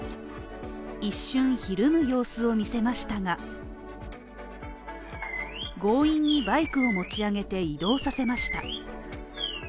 一瞬ひるむ様子を見せましたが、強引にバイクを持ち上げて移動させました。